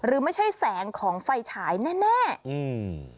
หรือไม่ใช่แสงของไฟฉายแน่แน่อืม